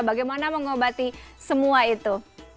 bagaimana mengobati semua itu